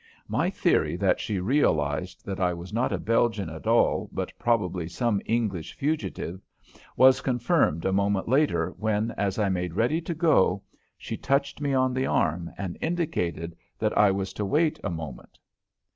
My theory that she realized that I was not a Belgian at all, but probably some English fugitive, was confirmed a moment later when, as I made ready to go, she touched me on the arm and indicated that I was to wait a moment.